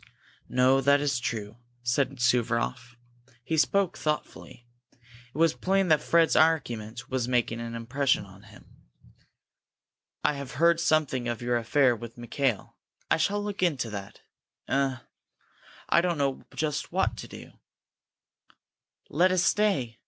"No, that is true," said Suvaroff. He spoke thoughtfully. It was plain that Fred's argument was making an impression on him. "I have heard something of your affair with Mikail. I shall look into that. Eh I don't know just what to do!" "Let us stay!"